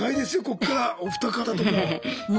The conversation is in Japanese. こっからお二方とも。